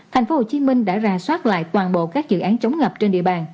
thành phố hồ chí minh đã ra soát lại toàn bộ các dự án chống ngập trên địa bàn